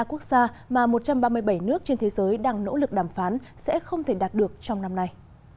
là quốc gia mà một trăm ba mươi bảy nước trên thế giới đang nỗ lực đàm phán sẽ không thể đạt được trong năm nay